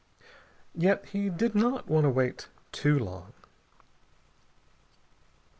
Yet he did not want to wait too long.